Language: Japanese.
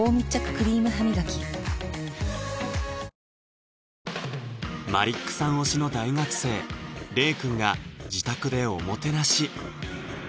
クリームハミガキマリックさん推しの大学生玲くんが自宅でおもてなし